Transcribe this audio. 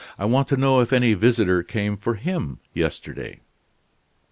I want to know if any visitor came for him yesterday."